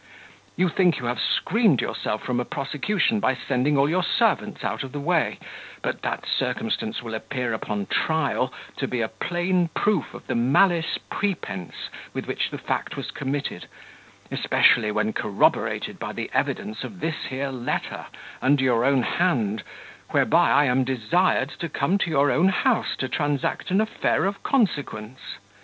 You think you have screened yourself from a prosecution by sending all your servants out of the way; but that circumstance will appear upon trial to be a plain proof of the malice prepense with which the fact was committed; especially when corroborated by the evidence of this here letter, under your own hand, whereby I am desired to come to your own house to transact an affair of consequence.